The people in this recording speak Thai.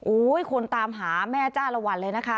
โอ้ยคนตามหาแม่จ้ารวรเลยนะคะ